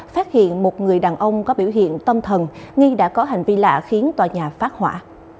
phát hiện một người đàn ông có biểu hiện tâm thần nghi đã có hành vi lạ khiến tòa nhà phát hỏa